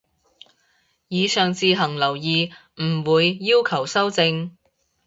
以上自行留意，唔會要求修正